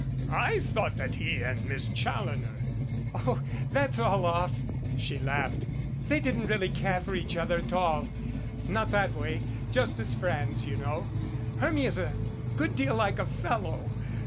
I thought that he and Miss Challoner " "Oh, that's all off," she laughed. "They didn't really care for each other at all not that way just as friends you know. Hermia is a good deal like a fellow.